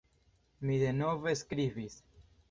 Mi denove skribis.